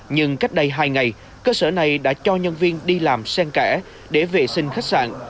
nhưng cách đây hai ngày cơ sở này đã cho nhân viên đi làm sen kẻ để vệ sinh khách sạn